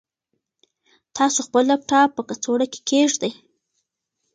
تاسو خپل لپټاپ په کڅوړه کې کېږدئ.